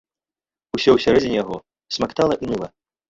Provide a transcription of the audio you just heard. Усё ўсярэдзіне яго смактала і ныла.